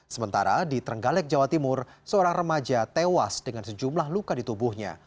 sementara di trenggalek jawa timur seorang remaja tewas dengan sejumlah luka di tubuhnya